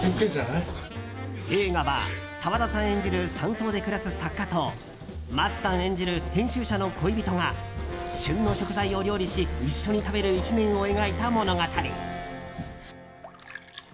映画は、沢田さん演じる山荘で暮らす作家と松さん演じる編集者の恋人が旬の食材を料理し一緒に食べる１年を描いた物語。